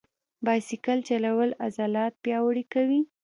بایسکل چلول عضلات پیاوړي کوي.